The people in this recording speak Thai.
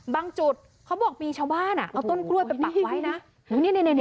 จุดเขาบอกมีชาวบ้านเอาต้นกล้วยไปปักไว้นะ